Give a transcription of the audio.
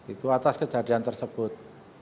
itu atas kejadian tersebut